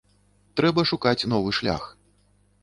Трэба шукаць новы шлях.